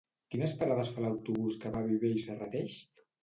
Quines parades fa l'autobús que va a Viver i Serrateix?